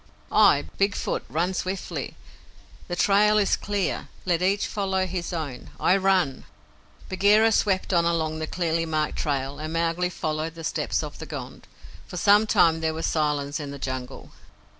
I, Big Foot, run swiftly. The trail is clear. Let each follow his own. I run!" Bagheera swept on along the clearly marked trail, and Mowgli followed the steps of the Gond. For some time there was silence in the Jungle.